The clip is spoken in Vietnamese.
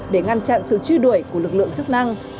để ngăn chặn sự truy đuổi của lực lượng chức năng